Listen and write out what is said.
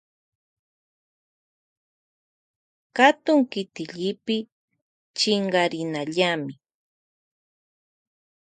Katun kitillipi chinkarinallami.